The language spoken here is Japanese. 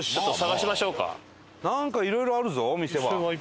なんかいろいろあるぞお店は。